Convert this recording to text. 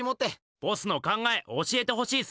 ボスの考え教えてほしいっす！